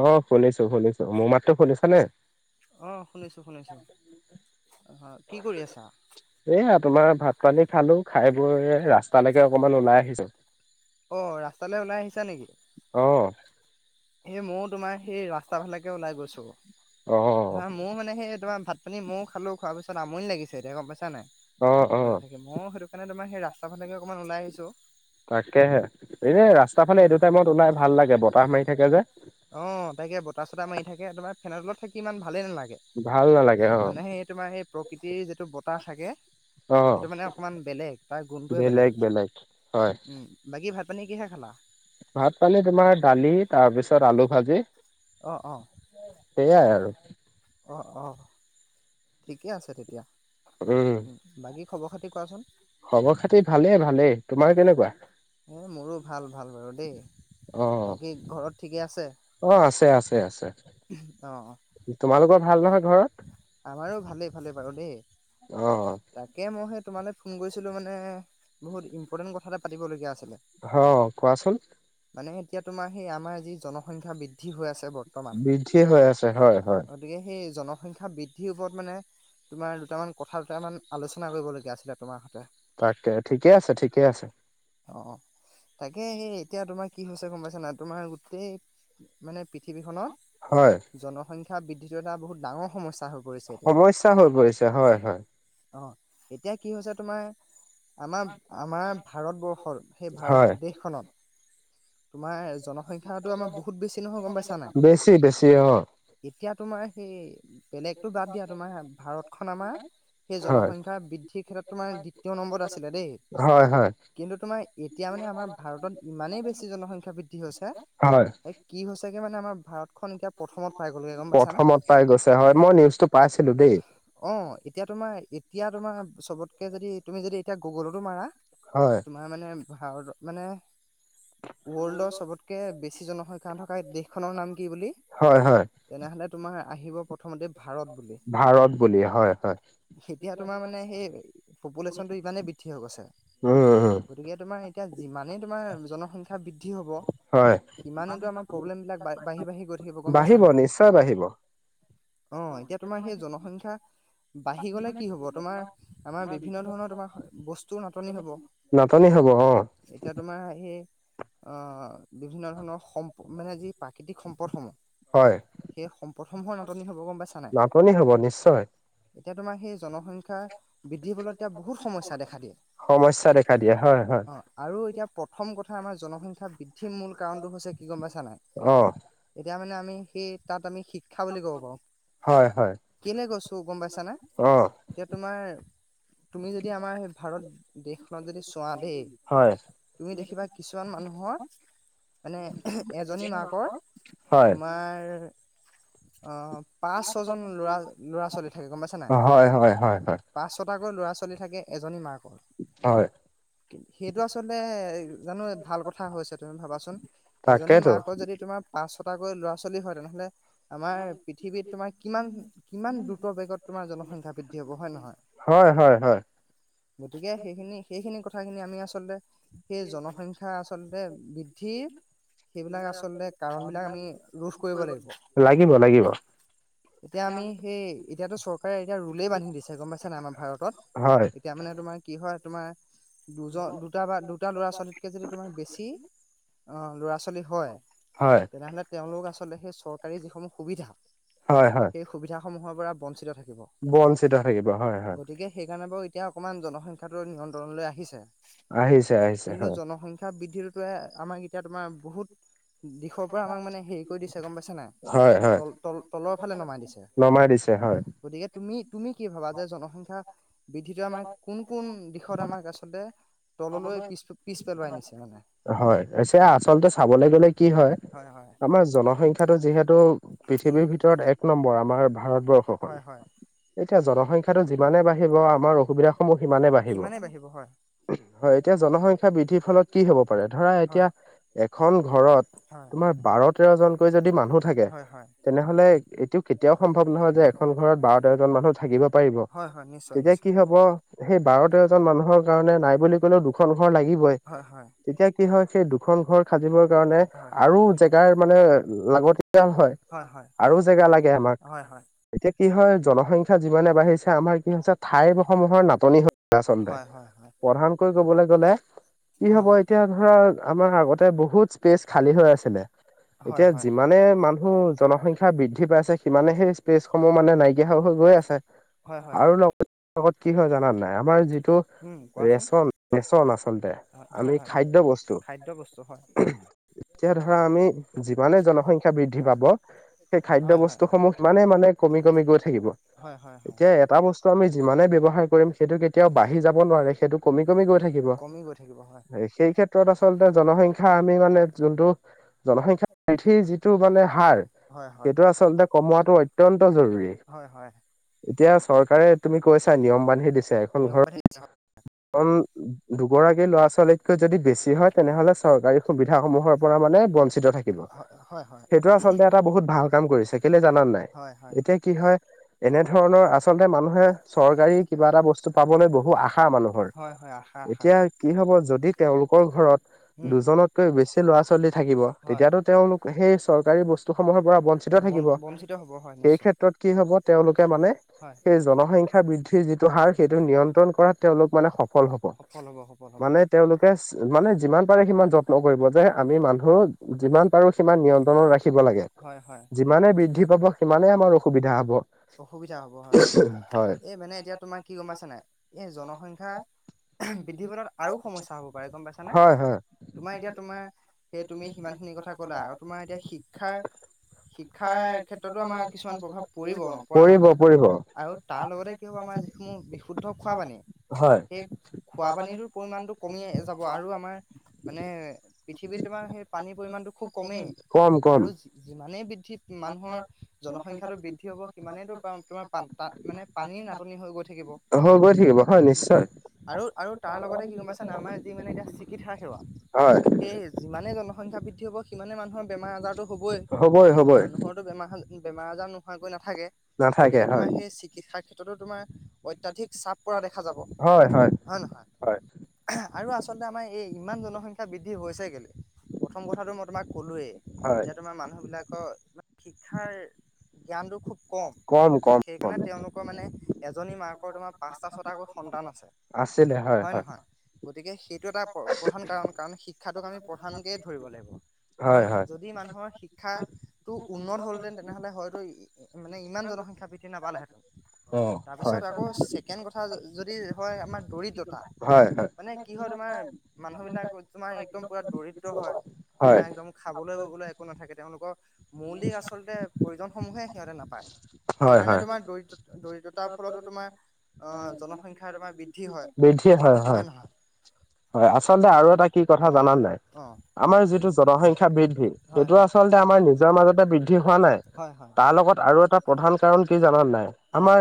অ', শুনিছো শুনিছো, মোৰ মাতটো শুনিছা নে? অ', শুনিছোঁ শুনিছোঁ হয়। এয়া তোমাৰ ভাত পানী খালো, খাই বৈ ৰাস্তালৈকে অকমান ওলাই আহিছো। অ', ৰাস্তালৈ ওলাই আহিছা নেকি? এ ময়ো তোমাৰ সেই ৰাস্তা ফালোকে ওলাই গৈছো তোমৰা মোৰো মানে সেই তোমাৰ ভাত পানী মইয়ো খালো খোৱাৰ পিছত আমনি লাগিছে এতিয়া গম পাইছা নাই। থাকে মই সেইটো কাৰণে তোমাৰ সেই ৰাস্তা ফালে অকমান ওলাই আহিছো, তাকেহে এনে ৰাস্তা ফালে এইটো টাইমত ওলাই ভাল লাগে বতাহ মাৰি অ', তাকে বতাহ চতাহ মাৰি থাকে তমাৰ ফেনে তলত থাকি ইমান ভাল নালাগে মানে সেই তোমাৰ সে প্ৰকৃতিৰ যিটো বতাহ থাকে সেইটো মানে অকণমান বেলেগ তাৰ গুণটোৱে বেলেগ। উম বাকী ভাত পানী কিহে খালা? ভাত পানী তোমাৰ দালি তাৰ পিছত আলু ভাজি, সেইয়াই আৰু। অ', অ', ঠিকে আছে তেতিয়া। উম। খবৰ খাতি কোৱাচোন? খবৰ খাতি ভালেই, ভালেই, তোমাৰ কেনেকুৱা? এই মোৰো ভাল, ভাল বাৰু দেই, বাকী ঘৰত ঠিকে আছে। আ আছে, তোমালোকৰ ভাল? আমাৰো ভালেই ভালে বাৰু দেই তাকে মই সেই তোমালে ফোন কৰিছিলো মানে বহুত ইম্পৰ্টেন্ট কথা এটা পাতিলগীয়া আ অ', কোৱাচোন। মানে এতিয়া তোমাৰ সেই আমাৰ যি জনসংখ্যা বৃদ্ধি হৈ আছে বৃদ্ধি হৈ আছে হয়, হয়। জনসংখ্যা বৃদ্ধিৰ ওপৰত মানে তোমাৰ দুটামান কথা দুটামান আলোচনা কৰিবলগীয়া আছিলে তোমাৰ তাকে ঠিকেই আছে ঠিকেই আছে। তোমাৰ কি হৈছে গম পাইছা নাই তোমাৰ গোটেই মানে পৃথিৱীখনত জনসং খ্যা বৃদ্ধিটো এটা বহুত ডাঙৰ সমস্যা। সমস্যা হৈ গৈছে হয়, হয়। অহ, এতিয়া কি হৈছে তোমাৰ আমাৰ, আমাৰ ভাৰতবৰ্ষৰ সেই ভাৰত দেশখনত তোমাৰ জন সংখ্যাটো আমাৰ বহুত বেছি নহয় গম পাইছা নাই এতিয়া তোমাৰ সেই বেলেগটো বাদ দিয়া তোমাৰ ভাৰতখন আমাৰ সেই জনসংখ্যা বৃদ্ধিৰ ক্ষেত্ৰত তোমাৰ দ্বিতীয় নম্বৰত আছিলে দেই, কিন্তু তোমাৰ এতিয়া মানে আমাৰ ভাৰতত, ইমানেই বেছি জনসংখ্যা বৃদ্ধি হৈছে এহ কি হৈছেগে মানে আমাৰ ভাৰতখন এতিয়া প্ৰথমত পাই গৈছে হয় মই নিউজটো পাইছিলো দেই। অহ এতিয়া তোমাৰ, এতিয়া তোমাৰ। চবতকে যদি তুমি যদি এতিয়া গুগলতো মাৰা তোমাৰ মানে ভাৰতত মানে, ৱৰ্ল্ডৰ চবতকে বেছি জনসংখ্যা থকা দেশখনৰ নাম কি বুলি? তেনেহ'লে তোমাৰ আহিব প্ৰথমতে ভাৰত বুলি হয় হয়। এতিয়া তোমাৰ মানে সেই পপুলেচনটো ইমানেই বৃদ্ধি হৈ গৈছে, গতিকে তোমাৰ এতিয়া যিমানেই তোমাৰ জনসংখ্যা বৃদ্ধি বৃদ্ধি হ'ব সিমানেতো আমাৰ প্ৰব্লেম বিলাক বা বাঢ়ি বাঢ়ি গৈ থাকিব গম পাইছা নাই। থাকিব। অহ এতিয়া তোমাৰ সেই জনসংখ্যা- বাঢ়ি গ'লে কি হ'ব তোমাৰ আমাৰ বিভিন্ন ধৰণৰ তোমাৰ বস্তুৰ নাটনি হ'ব। নাটনি হ'ব অ। আহ বিভিন্ন ধৰণৰ সম্প মানে যি প্ৰাকৃতিক সম্পদসমূহ সেই সম্পদসমূহৰ নাটনি হ'ব গম পাইছা নাই। নিশ্চয়। এতিয়া তোমাৰ সেই জনসংখ্যাৰ বৃদ্ধিৰ ফলত এতিয়া বহুত সমস্যা দেখা দিয়ে, অহ আৰু এতিয়া প্ৰথম ক থা আমাৰ জনসংখ্যা বৃদ্ধিৰ মূল কাৰণটো হৈছে কি গম পাইছা নাই, এতিয়া মানে আম মি সেই তাত আমি শিক্ষা বুলি ক'ব পাৰো। হয় হয়। কেলে কৈছো গম পাইছা নে এতিয়া তোমাৰ তুমি যদি আমাৰ সেই ভাৰত দেশখনত যদি চোৱা দেই তুমি দেখিবা। কিছুমান মানুহৰ মানে এজনী মাকৰ তোমাৰ অহ। পাঁচ ছয় জন ল'ৰা ল'ৰা ছোৱালী থাকে গম পাইছা নাই পাঁচ ছটা ল'ৰা ছোৱালী থাকে এজনী মাকৰ। সেইটো আচলতে কিনো ভাল কথা হৈছে তুমি ভাবাচোন এজনী মাকৰ যদি তোমাৰ পাঁচ ছটাকৈ ল'ৰা ছোৱালী হয় তেনেহ'লে আমাৰ পৃথিৱীত তোমাৰ কিমান, কিমান দ্ৰুত বেগত তোমাৰ জনসংখ্যা বৃদ্ধি হ'ব হয় নহয়। হয় হয় হয়। গতিকে সেইখিনি সেইখিনি কথাখিনি আমি আচলতে সেই জন সংখ্যা আচলতে বৃদ্ধিৰ লাগিব লাগিব। এতিয়া আমি সেই এতিয়াতো চৰকাৰে এতিয়া ৰুলে বান্ধি দিছে গম পাইছা নাই আমাৰ ভাৰতত। এতিয়া মানে তোমাৰ কি হয় তোমাৰ দুজন দুটা বা দুটা ল'ৰা ছোৱালী যদি তোমাৰ বেছি অহ ল'ৰা ছোৱালী হয়, তেনেহ'লে তেওঁ লোক আচলতে সেই চৰকাৰী যি সমূহ সুবিধা সেই সুবিধাসমূহৰ পৰা বঞ্চিত থাকিব। বঞ্চিত থাকিব হয় হয়। এতিয়া অকণমান জনসংখ্যাটো নিয়ন্ত্ৰণলৈ আহিছে। আহিছে আহিছে হয়। বৃদ্ধিটোতে আমাক এতিয়া তোমাৰ বহুত দিশৰ পৰা আমাক মানে হেৰি কৰি দিছে গম পাইছে নাই তল ত তলৰ ফালে নমাই দিছে। গতিকে তুমি তুমি কি ভাবা যে জনসংখ্যা বৃদ্ধিটো আমাৰ কোন কোন দিশত আমাক আচলতে তললৈ পিছ পিছ হয় আচলতে চাবলৈ গলে কি হয়? আমাৰ জনসংখ্যা টো যিহেতু পৃথিৱীৰ ভিতৰত এক নম্বৰ আমাৰ ভাৰতবৰ্ষখন। এতিয়া জনসংখ্যা টো যিমানে বাঢ়িব আমাৰ অসুবিধাস সমূহ সিমানে বাঢ়িব। হয় এতিয়া জনসংখ্যা বৃদ্ধিৰ ফলত কি হব পাৰে ধৰা এতিয়া এখন ঘৰত তোমাৰ বাৰ তেৰ জনকৈ যদি মানুহ থাকে। তেনেহলে এইটো হয় হয় নিশ্চয় নিশ্চয়। হব সেই বাৰ তেৰজন মানুহৰ কাৰণে নাই বুলি কলেও দুখন ঘৰ লাগিবই তেতিয়া কি হয় সেই দুখন ঘৰ সাজিবৰ কাৰণে আৰু জেগাৰ মানে লাগতিয়াল হয় আৰু জেগা লাগে আমাক এতিয়া কি হয় জনসংখ্যা যিমানে বাঢ়িছে আমাৰ কি হৈছে ঠাইসমূহৰ নাটনি আচন্দে প্ৰধানকৈ কবলৈ গ'লে কি হব এতিয়া ধৰা আমাৰ আগতে বহুত স্পেচ খালী হৈ আছিলে এতিয়া যিমানে মানুহ জনসংখ্যা বৃদ্ধি পাই আছে সিমানে সেই স্পেচসমূহ মানে নাইকিয়া হৈ হল গৈ আছে আৰু লগত লগত কি হয় জানাত নাই আমাৰ যিটো ৰেচন ৰেচন আচলতে আমি খাদ্য বস্তু এতিয়া ধৰা আমি যিমানে জনসংখ্যা বৃদ্ধি পাব সেই খাদ্যয় বস্তু সমূহ সিমানে মানে কমি কমি গৈ থাকিব এতিয়া এটা বস্তু আমি যিমানে ব্যৱহাৰ কৰিম সেইটো কেতিয়াও বাঢ়ি যাব নোৱাৰে সেইটো কমি কমি গৈ থাকিব সেই ক্ষেত্ৰত আচলতে জনসংখ্যা আমি মানে যোনটো হয় হয় হয় হয় এতিয়া চৰকাৰে তুমি কৈছা নিয়ম বান্ধি দিছো এখন ঘৰত দুগৰাকী ল'ৰা ছোৱালীতকৈ যদি বেছি হয় তেনেহলে চৰকাৰী সুবিধা সমূহৰ পৰা মানে বঞ্চিত থাকিব সেইটো আচলতে এটা বহুত ভাল কাম কৰিছে কেলৈ জানা নাই এতিয়া কি হয় এনে ধৰণৰ আচলতে মানুহ চৰকাৰী কিবা এটা বস্তু পাবলৈ বহু আশা খা মানুহৰ এতিয়া কি হব যদি তেওঁলোকৰ ঘৰত দুজনতকৈ বেছি ল'ৰা ছোৱালী থাকিব তেতিয়াতো তেওঁলোক সেই চৰকাৰী বস্তু সমূহৰ পৰা বঞ্চিত স কেত্ৰত কি হব তেওঁলোকে মানে সে সংখ্যা বৃদ্ধিৰ যিটো হাৰ সেইটো নিয়ন্ত্ৰণ কৰা তেওঁলোক মানে সফল হব মানে তেওঁলোকে মানে যিমান পাৰে সিমান যত্ন কৰিব যে আমি মানুহ যিমান পাৰো সিমান নিয়ন্ত্ৰণত ৰাখিব লাগে যিমানে বৃদ্ধি পাব সিমানে [unintelligible] অসুবিধা হব এ মানে এতিয়া তোমাৰ কি গম পাইছ নাই সংখ্যা বৃদ্ধি পোৱাত আৰু সমস্যা হ'ব পাৰে গম পাইছানে তোমাৰ এতিয়া তোমাৰ সেই তুমি সিমানখিনি কথা ক'লা আৰু তোমাৰ এতিয়া শিক্ষাৰ [unintelligible] আৰু তাৰ লগতে কি হ'ব আমাৰ যিসমূহ বিশুদ্ধ খোৱ পানী সেই খোৱা পানীটোৰ পৰিমণটো কমিয় যাব আৰু আমাৰ মানে পৃথিৱীত তোমাৰ সেই পানীৰ পৰিমাণটো খুব কমেই আৰু যিমানেই ঠিত মানুহৰ জনসংখ্যাটো বৃদ্ধি হ'ব সিমানেই তো তোমাৰ মানে পানীৰ নাটনি হৈ গৈ থাকিব উম আৰু আৰু তাৰ লগতে কি গম পাইছে আমাৰ যি মানে এতিয়া চিকিৎসা সেৱা সেয়ে যিমানে জনসংখ্যা বৃদ্ধি হব সিমানে মানুহৰ বেমাৰ আজাৰো হ'বই মানুহৰো বেমাৰ বেমাৰ আজাৰ নোহোৱাকৈ নাথাকে থাকে গতিকে তোমাৰ সেই চিকিৎসাৰ ক্ষেত্ৰতো তোমাৰ হয় হয় নহয় আৰু আচলতে আমাৰ এই ইমান জনসংখ্যা বৃদ্ধি হৈছে কেলেই প্ৰথম কথাটো মই তোমাক ক'লোৱেই যে তোমাৰ মানুহবিলাকৰ শিক্ষাৰ জ্ঞানটো খুব কন কন সেইকাৰণে তেওঁলোকৰ মানে এজনী মাকৰ তোমাৰ পাঁচটা ছটাকৈ সন্তান আছে আছে দে হয় হয় গতিকে সেইটো এটা প্ৰধান কাৰণ কাৰণ শিক্ষাটোক আমি প্ৰধানকৈ ধৰিব লাগিব কাৰণ যদি মানুহৰ শিক্ষা শিক্ষা টো উন্নত হ'লহেঁতেন তেনেহ'লে হয়তো মানে ইমান জনসংখ্যাৃ নাপালে হেতেন তাৰপিছত আকৌ ছেকেণ্ড কথা যদি হয় আমাৰ দৰি হয় মানে কি হয় তোমাৰ মানুহ বিলাক তোমাৰ একদম পুৰা দৰিদ্ৰ হয় তোমাৰ একদম খাবলৈ খাবলৈ একো নাথাকে তেওঁলোকৰ মৌলিক আচলতে প্ৰয়োজনসমূহে সিহঁতে নাপায় সেইকাৰণে তোমাৰ দৰিদ্ৰ দৰিদ্ৰতাৰ ফলতো তোমাৰ বেধিয়ে হয় হয় হয় আচলতে আৰু এটা কি কথা জান নাই আমাৰ যিটো জনসংখ্যা বৃদ্ধি সেইটো আচলতে আমাৰ নিজৰ মাজতে বৃদ্ধি হোৱা নাই তাৰ লগত আৰু এটা প্ৰধান কাৰণ কি জনা নাই আমাৰ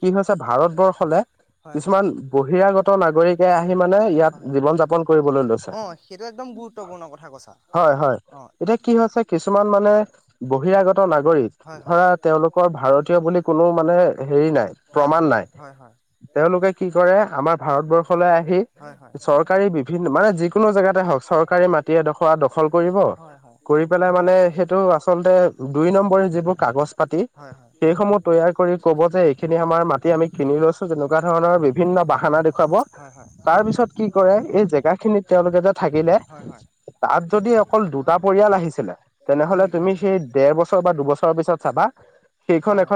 কি হৈছে ভাৰতবৰ্ষলে কিছুমান বহিৰাগত নাগৰিকে আহি মানে ইয়াত জীৱন যাপন কৰিবলৈ লৈছে হয় হয় এতিয়া কি হৈছে কিছুমান মানে বহিৰাগত নাগৰিক ধৰা তেওঁলোকৰ ভাৰত বুলি কোনো মানে হেৰি নাই প্ৰমাণ নাই তেওঁলোকে কি কৰে আমাৰ ভাৰতবৰ্ষলৈ আহি তাৰ হয় মানে সেইতু আচলতে দুই নম্বৰী জিবোৰ কাজছ পাতি এইসমূহ তৈয়াৰ কৰি ক'ব যে এইখিনি আমাৰ মাটি আমি কিনি লৈছো তেনেকুৱা ধৰণৰ বিভিন্ন বাহানা দেখুৱাব তাৰপিছত কি কৰে এই জেগা খিনিত তেওঁলোকে যে থাকিলে তাত যদি অকল দুটা পৰিয়াল আহিছিলে তেনেহলে তুমি সেই দেৰ বছৰ বা দুবছৰৰ পিছত ছাবা বা সেই হয়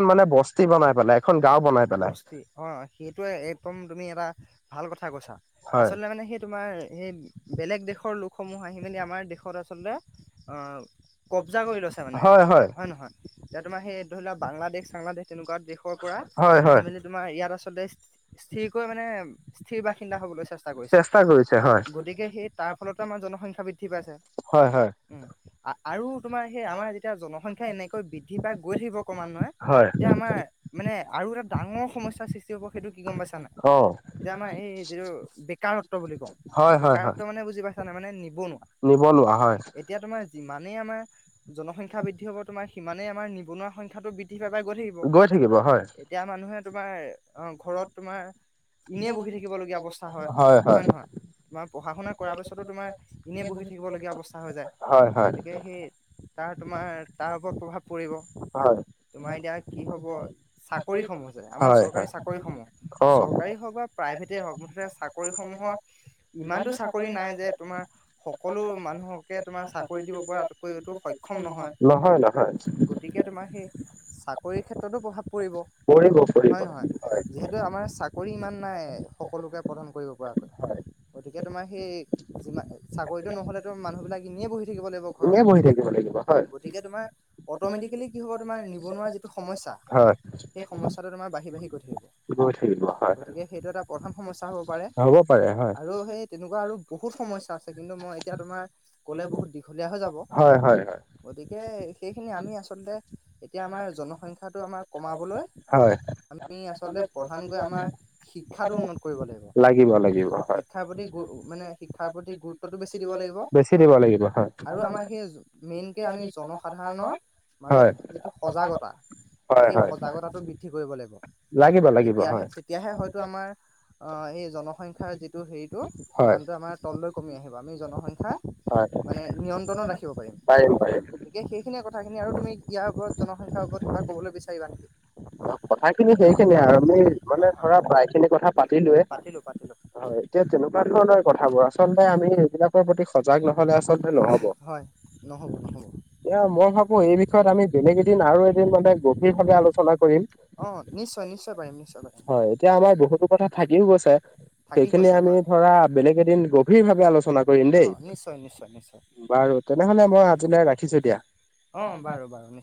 বস্তি অ সেইটোয়ে একদম তুমি এটা সচা কথা আচলতে মানে সেই তোমাৰ সেই বেলেগ দেশৰ লোকসমূহ আহি মেলি আমাৰ দেশত আচলতে কব্জা কৰি লৈছে মানে হয় নহয় এতি তোমাৰ সেই ধৰি লোৱা বাংলাদেশ চাংলাদেশ তেনেকুৱা দেশৰ পৰা আহি মেলি তোমাৰ ইয়াত আচলতে স্থিৰকৈ মানে স্থিৰ বাসিন্দা হবলৈ চেষ্টা কৰিছে গতিকে সেই তাৰ ফলতো আমাৰ সংখ্যা বৃদ্ধি পাইছে উম আৰু তোমাৰ সেই আমাৰ যেতিয়া জনসংখ্যা এনেকৈ বৃদ্ধি পাই গৈ থাকিব ক্ৰমান্নয়ে এতিয়া আমাৰ মানে আৰু এটা ডাঙৰ সমস্যাৰ সৃষ্টি হ'ব সেইটো কি গম পাইছা নাই এতিয়া আমাৰ এই যিটো বেকাৰত্ব বুলি কওঁ বেকাৰত্ব মানে বুজি পাইছা নাই এতিয়া তোমাৰ যিমানেই আমাৰ জনসংখ্যা বৃদ্ধি হব তোমাৰ সিমানেই মানে আমাৰ নিবনুৱা সংখ্যা টো বৃদ্ধি পাই পাই গৈ থাকিব এতিয়া মানুহে তোমাৰ অ ঘৰত তোমাৰ হয় হয় তোমাৰ পঢ়া শুনা কৰাৰ পাছতো তোমাৰ ইনেই বহি থাকিবলগীয়া অৱস্থা হৈ যায় গতিকে সেই তাৰ তোমাৰ তাৰ ওপৰত প্ৰভাৱ পৰিব তোমাৰ এতিয়া কি হব চাকৰিসমূহ আছে আমাৰ চৰকাৰী চাকৰিসমূহ চৰকাৰী হওক বা প্ৰাইভেটেই হওক মুঠতে চাকৰিসমূহৰ ইমানতো চাকৰি নাই যে তোমাৰ সকলো মানুহকে তোমাৰ চাকৰি দিব পৰা আটতকৈ এইটো নহয়-নহয় চাকৰিৰ ক্ষেত্ৰতো প্ৰভাৱ পৰিব হয় নহয় যিহেতু আমাৰ চাকৰি কৰি ইমান নাই সকলোকে প্ৰদান কৰিব পৰাকৈ গতিকে তোমাৰ সেই যিমান চাকৰিতটো নহলেতো মানুহ বিলাক এনেিয়ে বহি থাকিব লাগিব এনে বহি থাকিব লাগিব হয় অট'মেটিকেলি কি হ'ব তোমাৰ নিবনুৱা যিটো সমস্যা সেই সমস্যাটো তোমাৰ বাঢ়ি বাঢ়ি গৈ থাকিব। গৈ থাকিব হয়-হয়। প্ৰধান সমস্যা হব পাৰে আৰু সেই তেনেকুৱা আৰু বহুত সমস্যা আছে কিন্তু মই এতিয়া তোমাৰ ক'লে বহুত দীঘলীয়া হৈ যাব গতিকে সেইখিনি আমি আচলতে এতিয়া আমাৰ জনসংখ্যাটো আমাৰ কমাবলৈ আমি আচলতে প্ৰধানকৈ আমাৰ শিক্ষাটো উন্নত কৰিব লাগিব শিক্ষাৰ প্ৰতি গু মানে শিক্ষাৰ প্ৰতি গুৰুত্বটো বেছি বেছি দিব লাগিব হয়-হয়। যিটো সজাগতা সেই সজাগতাটো বৃদ্ধি কৰিব লাগিব। লাগিব-লাগিব হয়। এই জনসংখ্যাৰ যিটো হেৰিটো মানটো আমাৰ তললৈ কমি আহিব আমি জনসংখ্যা মানে নিয়ন্ত্ৰণত ৰাখি পাৰিম-পাৰিম। গতিকে সেইখিনে কথাখিনি আৰু তুমি ইয়াৰ ওপৰত জনসংখ্যাৰ ওপৰত কিবা ক'বলৈ বিচাৰিবা নেকি? হয়, এতিয়া তেনেকুৱা ধৰণৰ কথাবোৰ আচলতে আমি এইবিলাকৰ প্ৰতি সজাগ নহয় হলে আচলতে ন'হব নহ'ব-নহ'ব এয়া মই ভাবো এই বিষয়ত আমি বেলেগ এদিন আৰু এদিন মানে গভীৰভাৱে আলোচনা কৰিম। হয়, এতিয়া আমাৰ বহুতো কথা থাকিও গৈছে সেইখিনি আমি ধৰা বেলেগ এদিন গভীৰ ভাৱে আলোচনা কৰিম দেই। বাৰু তেনেহলে মই আজিলৈ ৰাখিছো দিয়া। অ, বাৰু-বাৰু নিশ্চয়-নিশ্চয়।